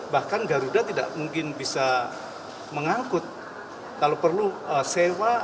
bahkan garuda tidak mungkin bisa mengangkut kalau perlu bewa atau beli pesawat lagi